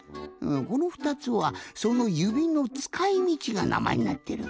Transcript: この２つはその指のつかいみちがなまえになってる。